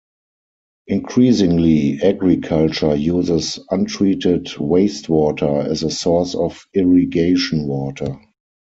Increasingly, agriculture uses untreated wastewater as a source of irrigation water.